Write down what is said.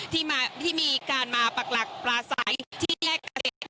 ที่มีการมาปรักหลักปลาใสที่แยกเกร็ด